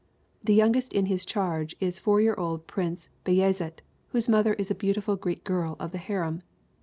The youngest in his charge is 4 year old Prince Bayazet, whose mother is a beautiful Greek girl of the harem.